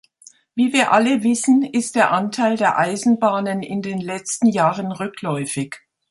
Wie wir alle wissen, ist der Anteil der Eisenbahnen in den letzten Jahren rückläufig.